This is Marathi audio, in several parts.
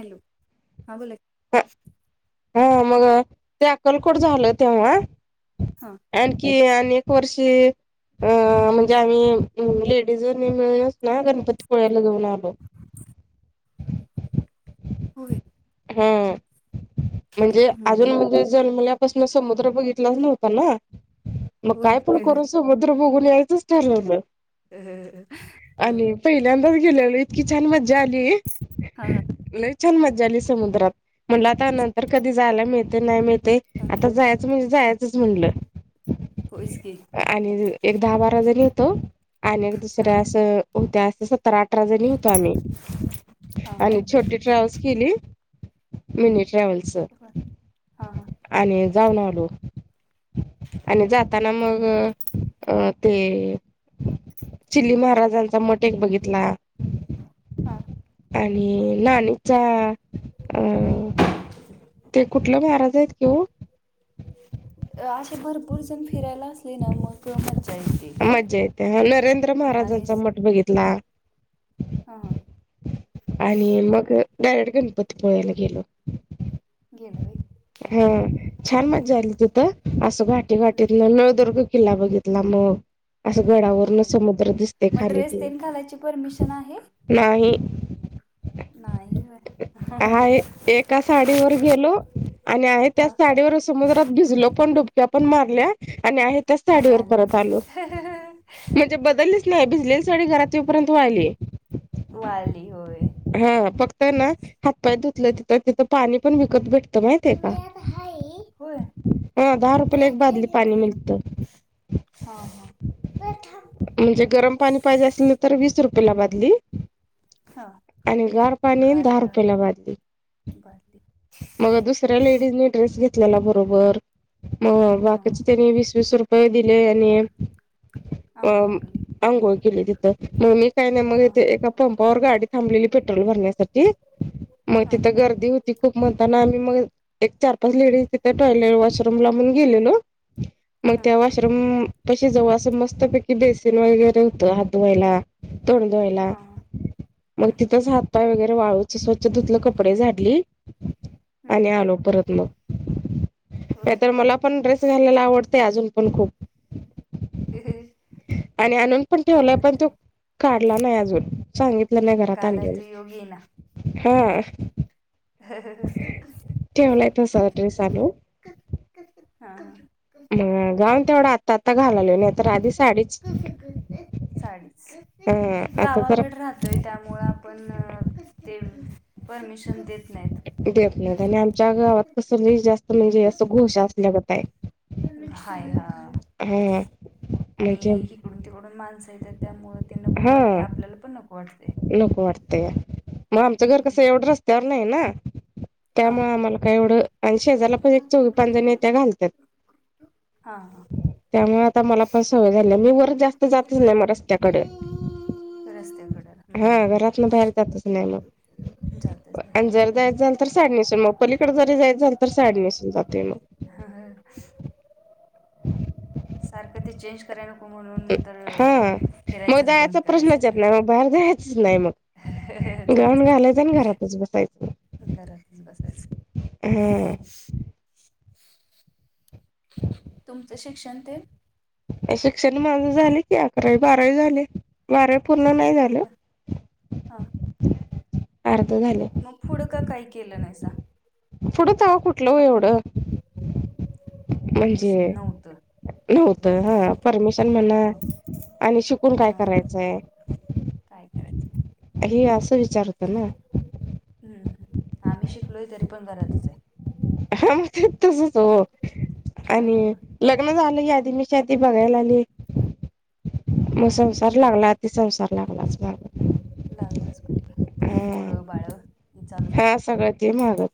हॅलो हां बोला हा मग ते अक्कलकोट झालं तेव्हा हा आणखी आणि फोरसी. अ म्हणजे आम्ही लेडीज व मिळूनच ना गणपती पुळ्याला जाऊन आलो. होय. हम्म म्हणजे हम्म, अजून हम्म. म्हणजे जन्मल्या पसन समुद्र बघितलाच नव्हता ना मग होय काय पण करून स समुद्र बघून यायचंच ठरवलं. होय. आणि पहिल्यांदाच गेलेल इतकी छान मज्जा आली हा हा लय छान मज्जा आली. समुद्रात म्हणल आता नंतर कधी जायला मिळतय नाही मिळतय हा आता जायाच म्हणजे जाय चच म्हणल. होयच की. आणि एक दहा बारा जण होतो आणि एक हा दुसऱ्या असं होत्या अस स सतरा अठरा जणी होतो आम्ही हा आणि हा छोटी ट्रॅव्हल्स केली. मिनी ट्रॅव्हल्स हा हा आणि जाऊन आलो. आणि जाताना मग अ ते चिली महाराजांचा मठ एक बघितला. हा. आणि नाणिचा अं ते कुठलं महाराज आहेत कि वो? [inaudible] अ असे भरपूर जण फिरायला असले ना मग मज्जा येते. ते हां नरेंद्र आणि महाराजांचा मठ बघितला. हां. आणि मग डायरेक्ट गणपती पुळेला गेलो. हा छान मजा आली तीथ अस घाटी हम्म. घाटीतलं नळदुर्ग किल्ला बघितला मग असं गडावरून होय समुद्र दिसतय मग खाली ड्रेस ते तेन घालायची परमिशन आहे नाही. नाही व. आहे एका साडीवर गेलो आणि आहे हा त्याच साडीवर समुद्रात भिजलो पण डुब ड्या पण मारल्या आणि आहे त्या आले साडीवर आले परत आलो. म्हणजे बदललीच नाही भिजलेली साडी घरात येपर्यंत वाहिली. वाली होय. हा फक्त ना हातपाय धुतलं तिथं तिथं पाणी पण विकत भेटतं माह तुम् आत हाय हो. हा दहा रुपयेला एक बादली पाणी मिलत हा हा म्हणजे गरम पाणी पाहिजे असल तर वीस रुपये ला बादली हा आणि गार पाणी दहा गारदार रुपयाला भाजली बादली मग दुसऱ्या लेडीजनी ड्रेस घेतलेला बरोबर म हां बाकीचे हां त्यांनी वीस वीस रुपये दिले आणि हां आंघोळ केली. अंघोळ केली तिथं मग मी काय नाही मग हां ते एका पंपावर गाडी थांबलेली पेट्रोल भरण्यासाठी मग हां तिथं गर्दी होती खूप म्हणताना आम्ही मग एक चार पाच लेडीज तिथे टॉयलेट वॉशरूम ला म्हणून गेलेलो मग हां त्या वॉशरूम पशी जवळ असं मस्तपैकी बेसिन वगैरे होतं हात धुवायला तोण तोला हां हां मग हं, तिथंच हातपाय वगैरे वाळूच स्वच्छ ुतलं कपडे झाडली हं, आणि हं. आलो परत मग नाही होय तर मला पण ड्रेस घालायला आवडते अजून पण खूप आणि आणून पण ठेवला पण आवडतं तो आहे काढला नाही अजून सांगित घरात आणलेे घालायचं योग येईना हा ह क कसे ठेवलाय तसा क ड्रेस कसे आणून क कसे अ गाऊन तेवढा आत्ता आत्ता घालाले नाही तर आधी साडीच डी अ आता तर गावाकड राहत ोय त्यामु आपण ते परमिशन देत नाहीत देत आणि आमच्या गावात कस नाही जास्त म्हणजे असं घोष असल्यागत आहे हाय हा हा आणि म्हणजे हिकडून तिकडून माणस त्यामुळेळ ते नको हा वाटते आपल्याला पण नको वाटते नको वाटत मग आमचं घर हम्म. कसं एवढं रस्त्यावर नाही ना हां त्यामुळे हां आम्हाला का एवढं आणि शेजारला पण एक चौवी पाच जण य त्या घालतात हां हां त्यामुळे आता मला पण सवय झाली मी वर जास्त जातच नाही म रस््याकडे रस्त्याकडेला हा घरातन बाहेर जातच नाही मग जातच ह आणि जर जायच झाल तर साडणीसून मग पलीकडे जरी जायच जाल तर साड नसून जाते मग ह सारखं ते चेंज करान म्हणून तर हा मग फिरायचंच बंद जायचा प्रश्नच येत करायचं नाही मग बाहेर जा्यायचंच नाही मग गाऊन घालायचं आणि घरातच बसायचं घराशी बसायच हा तुमचं शिक्षण ते शिक्षण माझं झाले कि अकरा बाराही झाले बारा पूर्ण नाही झाले बर हां अर्ध झाले मग पुडं का काही केलं नाहीसा पुढंचव कुठलं एवढं विष् नव्हतं नव्हत हा परमिशन हा म्हणा आणि शिकून हा काय करायचंय. काय करायचंय हे असं विचारतं ना. हम्म आम्ही शिकलोय तरी पण घरातच आहे. ह म ते तसच हो ह आणि लग्न झालं की आधी मीच्या आधी बघायला आली मग ह संसार लागला अतिसंसार लागलाच म लगच वाटलं परत अ पोरं बाळ हा चालूच सगळं ती मगत.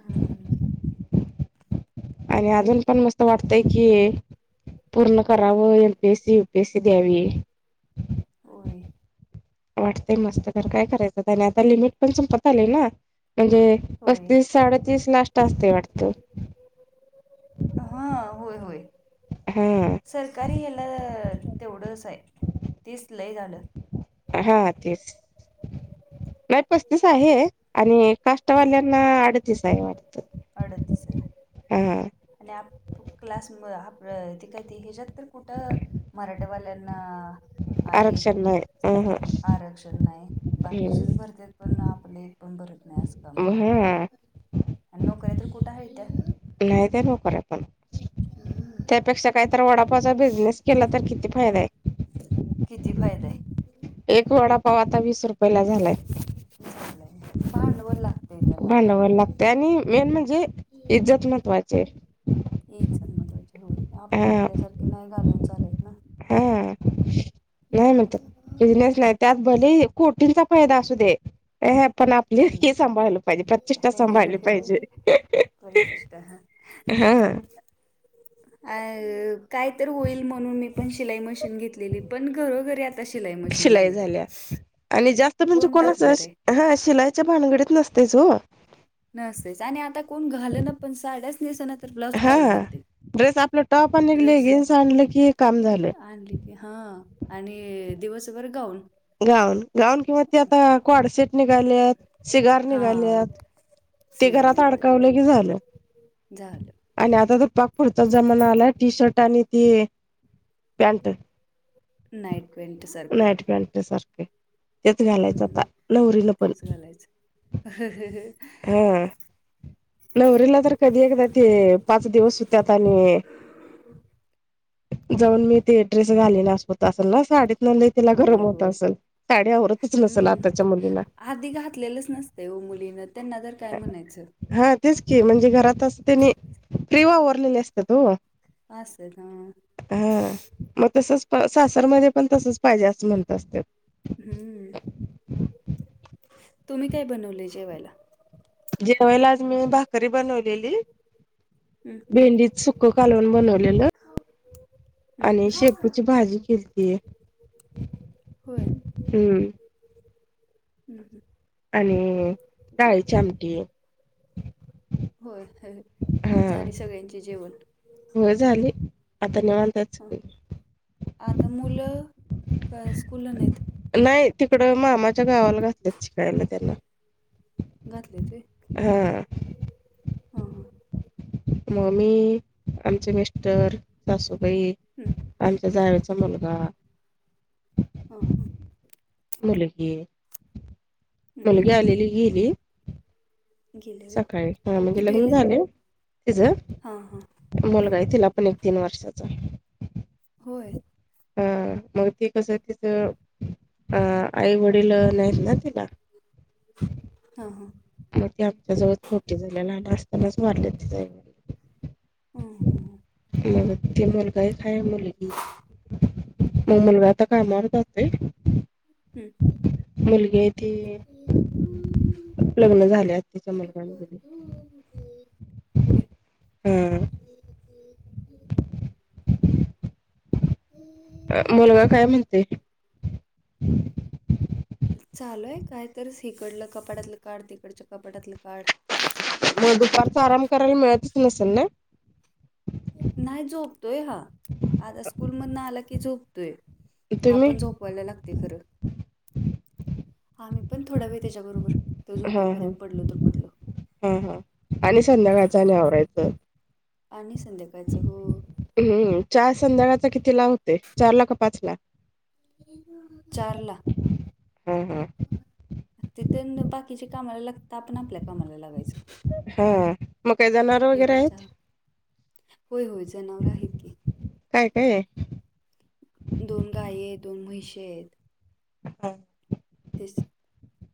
हम [unintelligible] आणि अजून पण मस्त वाटतय की, पूर्ण करावं एनपीएससी यपीएससी द्यावी. होय. वाटतेय मस्त तर काय करायचं. आणि आता लिमिट पण संपत आले ना. म्हणजे होय पस्तीस साडेतीस लास्ट असते वाटत. हा होय होय. हा सरकारी याला तेवढंच आहे तीच लय झालं. हा तेच नाही पस्तीस आहे. आणि का हां चटवाल्याना अडतीस आहे वाटत अडतीस आहे हा. आणि आप क्लास आप ती काही त हेजात तर कुठं मराठवाल्यांना आहे आरक्षण नाही अ आरक्षण नाही ह बाकीचेच भरते पण आपले एक पण बरत नाही. आज काम हा आणि नोकऱ्या तर कुठे आहे. त्या नाही ते डोक्याला ताप. अच्छा. त्यापेक्षा काहीत वडापाचा बिझनेस केला तर किती फायदा आहे. किती फायदा आहे. एक वडापाव आता वीस रुपये ला झालाय. [unintelligible] भांडवरला भांडाव लागते आणि मेन म्हणजे इज्जत महत्त्वाचे. झाल मत्वाची होळी हा आपल्यासारखी नाही घालून चालत ना. हा नाही म बिझनेस नाही. त्यात भले कोटींचा फायदा असू दे. पण आपण पुन्हा हे सांभाळलं पाहिजे प्रतिष्ठा सांभाळली पाहिजे. प्रतिष्ठा हा. हा. अ काय तर होईल म्हणून मी पण शिलाई मशीन घेतलेली. पण घरोघरी आता शिलाई मशीन झाली त्या. तर म्हणजे कोण कोणाचं टाकणार आहे हा शिलाईच्या भानगडीत नसतेच हो. नसेच आणि आता कोण घाल ना पण साड्याच नस ना. तर ब्लाऊज हा कशाला घालते ड्रेस आपलं टॉप आणि ड्रेस लेगिन्स आणलं की काम झालं आणली. हा आणि दिवसभर गाऊन. गाऊन गाऊन किंवा ते आता कवाडसेट निघालेत, शिगार हा निघाल्यात. ते शिगा घरात निघालेत अडकावलं की झालं. झालं आणि आता तर पाग पुुरचा जमाना आला टी शर्ट आणि त पॅन्ट. नाईट प्वेंट सारखं. नाईट पॅन्ट सारखे तेच घालायचं हम्म आता नवरी न पण तेच घालायचं हा नवरीला तर कधी एकदा ते पाच दिवस होत. आणि जाऊन मी तेट्रेस घालेला असत. असेल ना साडीत न तिला गरम होय होत होय असेल साडी आवरतच नसेल. हम्म. आताच्या मुलीला आधी घातलेलंच नसतं व मुलीन त्यांना जर हा तेच की म्हणजे घरातच त्यांनी फ्रीवाओरलेले असतात त हो. बास ना. हा मग तसच प सासरमध्ये पण तसच पाहिजे असं म्हणतात. हम्म तुम्ही काय बनवले जेवायला. जेवयला आज मी भाकरी बनवलेली. हम्म. भेंडीत सुकं कालवन बनवलेलं. हम्म. आणि शेपूची भाजी केलती. [inaudible] होय? हम्म [inaudible] आणि डाळीची आमटी होय हा झाली सगळ्यांची जेवण. होय झाली. आता निवांतच. हं. आता मुलं का स्कुलला नाहीत? नाही तिकडं मामाच्या गावाला राहत्यात शिकायला त्यांना. घातलेत होय? हा. हा, हा. म मी आमचे मिस्टर, सासूबाई हम्. आमच्या जावेचा मुलगा ह. मुलगी, हं, मुलगी हं. आलेली गेली. गेले व्हय सकाळी हा म्हणजे लग्न कितवीला आहेत झालयं तिज हां हां हां मुलगा आहे तिला पण एक तीन वर्षाचा. होय. अ मग ते कसं हाय तिचं अ आई-वडील नाहीत ना तिला. ह. मग ती आमच्या जवळच मोठी झाल्या ना लहान असतानाच वारल्यात तिज आई-वडील. हम, ह. मग ते मुलगा एक हाय मुलगी. मग मुलगा अता कामावर आई हं, [inaudible] मुलगी हाय ती हं. लग्न झाल्यात तीच मुलं-बाळ होय वगैरे [inaudible] ह ह. [unintelligible] अ मुलगा काय म्हणते? [inaudible] चालू हाय काय तरच हिकडलं कपाटातलं काढ, तिकडच्या कपाटातलं काढ. मग दुपारचा आराम करायला मिळतच नसल नें? नाही झोपतोय हा आता स्कूल मधन आला की झोपतोय. तुम्ही आपण झोप वायला लागतयं खरं. आ्ही पण थोडा वेळ त्याच्याबरोबर तो झोपेपर्यंत पडलो तर पडलो. ह ह आणि संध्याकाळच आणि आवरायचं. आणि संध्याकाळचं हो. हम्म चहा संध्याकाचा किती ला होतोय? चार ला काय पाच चारला. हा हा [inaudible] तिथेन बाकीची कामाला लागता आपण आपल्या कामाला लागायचं. ह मग काही जनावर वगैरे एकदा आहेत? चहा होय, होय जनावर आहेत की. [inaudible] काय काय आहे? दोन गायी आहेत. दोन म्हशी आहेत. हो. तेच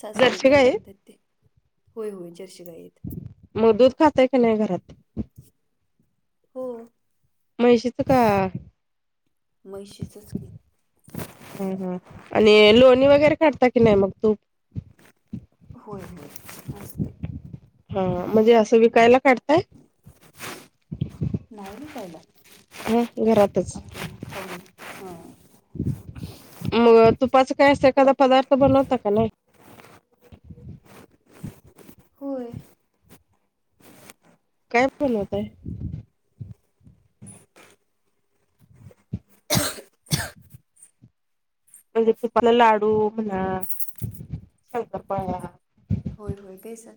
सासर तेन गाय आहे बघतात ते होय होय जर्शी गायेत. म दूध खातय काी नाही घरात हो. म्हैशीच का? म्हैशीचच की हा हा. आणि लोणी वगैरे काढता की नाई मग तूप? होय होय असतंय ते. ह ह म्हणजे असं विकायला काढताय? नाही केला. आहे घरातच. आपण [unintelligible] ह. मग तुपाचं काय असं एखादा पदार्थ बनवता का नाही? होय. काय बनवताय? म्हणजे तुपला लाडू म्हणा. शंकरपाळ्या होय होय बेसन.